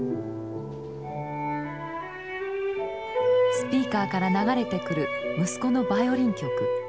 スピーカーから流れてくる息子のバイオリン曲。